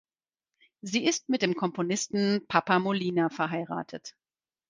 Sie ist mit dem Komponisten Papa Molina verheiratet.